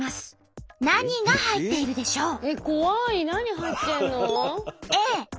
何が入っているでしょう？